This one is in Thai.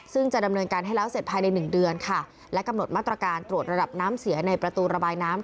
ซึ่งจะดำเนินการให้แล้วเสร็จภายในหนึ่งเดือนค่ะและกำหนดมาตรการตรวจระดับน้ำเสียในประตูระบายน้ำ